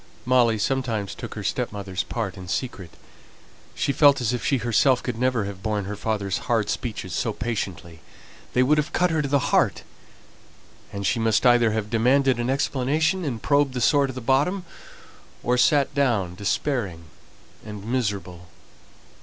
Molly sometimes took her stepmother's part in secret; she felt as if she herself could never have borne her father's hard speeches so patiently; they would have cut her to the heart, and she must either have demanded an explanation, and probed the sore to the bottom, or sat down despairing and miserable.